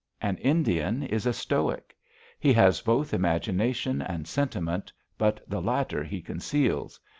An Indian is a stoic. He has both imagination and sentiment, but the latter he conceals.